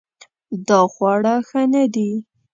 دا خواړه ښه نه دي